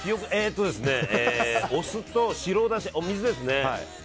お酢と白だし、お水ですね。